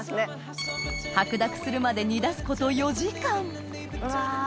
白濁するまで煮出すことうわ。